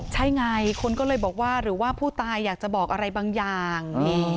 ใช่ไงคนก็เลยบอกว่าหรือว่าผู้ตายอยากจะบอกอะไรบางอย่าง